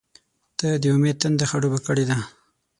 • ته د امید تنده خړوبه کړې ده.